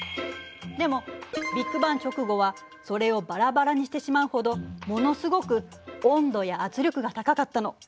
でもビッグバン直後はそれをバラバラにしてしまうほどものすごく温度や圧力が高かったの。